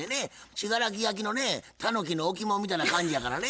信楽焼のねたぬきの置物みたいな感じやからね。